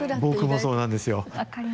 僕もそうなんですよ。